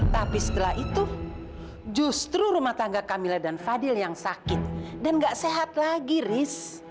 tapi setelah itu justru rumah tangga camilla dan fadil yang sakit dan gak sehat lagi ris